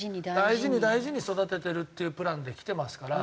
大事に大事に育ててるっていうプランできてますから。